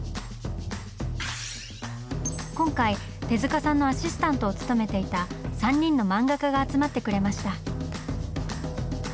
今回手さんのアシスタントを務めていた３人の漫画家が集まってくれました。